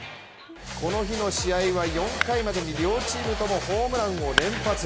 この日の試合は４回までに両チームともホームランを連発。